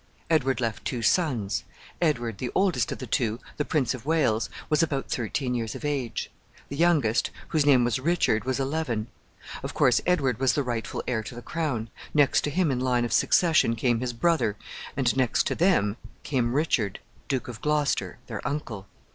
Edward left two sons. Edward, the oldest of the two, the Prince of Wales, was about thirteen years of age. The youngest, whose name was Richard, was eleven. Of course, Edward was the rightful heir to the crown. Next to him in the line of succession came his brother, and next to them came Richard, Duke of Gloucester, their uncle.